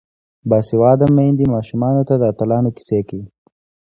باسواده میندې ماشومانو ته د اتلانو کیسې کوي.